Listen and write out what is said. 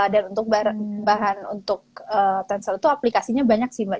dan untuk bahan untuk tensel itu aplikasinya banyak sih mbak